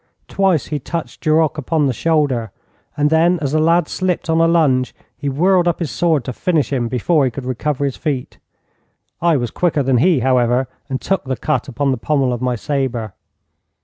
Twice he touched Duroc upon the shoulder, and then, as the lad slipped on a lunge, he whirled up his sword to finish him before he could recover his feet. I was quicker than he, however, and took the cut upon the pommel of my sabre.